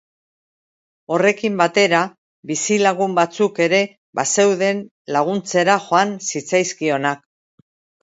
Horrekin batera, bizilagun batzuk ere bazeuden, laguntzera joan zitzaizkionak.